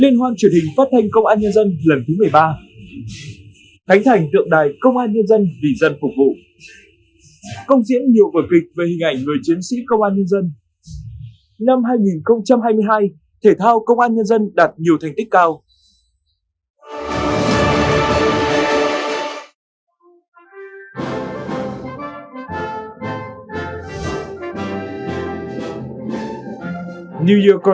năm hai nghìn hai mươi hai thể thao công an nhân dân đạt nhiều thành tích cao